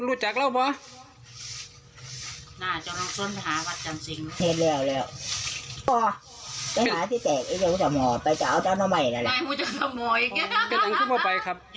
รู้จักแล้วเปล่า